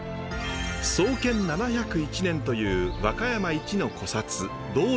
創建７０１年という和歌山一の古刹道成寺。